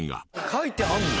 書いてあるんだ。